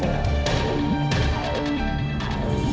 kalau mau buka pintunya dulu ma